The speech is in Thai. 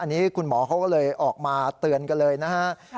อันนี้คุณหมอเขาก็เลยออกมาเตือนกันเลยนะฮะ